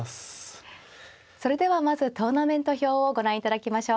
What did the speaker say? それではまずトーナメント表をご覧いただきましょう。